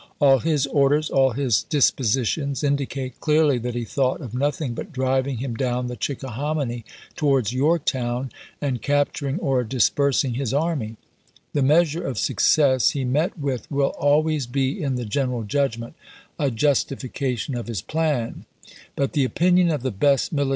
All his orders, all his dispositions, indicate clearly that he thought of nothing but driving him down the Chickahominy towards Yorktown, and capturing or dispersing his army. The measure of success he met with will always be, in the general judgment, a justifica THE SEVEN DAYS' BATTLES 425 tion of his plan ; but the opinion of the best mili ch. xxiu.